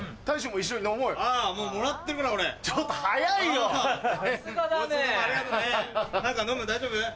大丈夫？